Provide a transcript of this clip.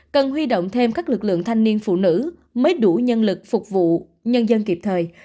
cần huy động thêm các lực lượng thanh niên phụ nữ mới đủ nhân lực phục vụ nhân dân kịp thời